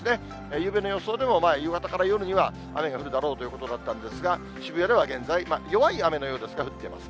ゆうべの予想でも、夕方から夜には雨が降るだろうということだったんですが、渋谷では現在、弱い雨のようですが、降っています。